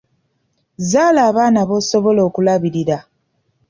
Zzaala abaana b'osobola okulabirira.